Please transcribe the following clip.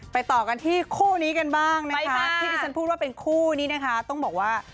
ต่อกันที่คู่นี้กันบ้างนะคะที่ที่ฉันพูดว่าเป็นคู่นี้นะคะต้องบอกว่า